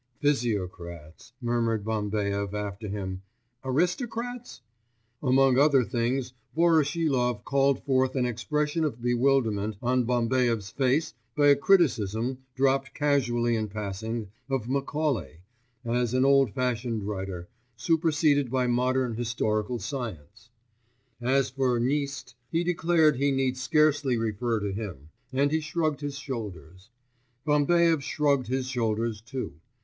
'Physiocrats,' murmured Bambaev after him ... 'aristocrats?' Among other things Voroshilov called forth an expression of bewilderment on Bambaev's face by a criticism, dropped casually in passing, of Macaulay, as an old fashioned writer, superseded by modern historical science; as for Gneist, he declared he need scarcely refer to him, and he shrugged his shoulders. Bambaev shrugged his shoulders too.